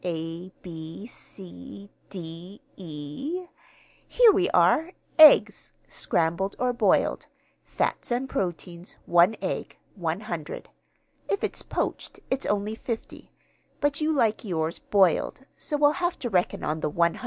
A b c d e here we are. 'Eggs, scrambled or boiled, fats and proteins, one egg, 100.' If it's poached it's only 50; but you like yours boiled, so we'll have to reckon on the 100.